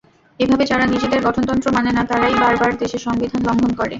এভাবে যারা নিজেদের গঠনতন্ত্র মানে না, তারাই বারবার দেশের সংবিধান লঙ্ঘন করে।